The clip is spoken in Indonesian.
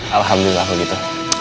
alhamdulillah aku gitu